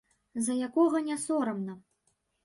За якога не сорамна.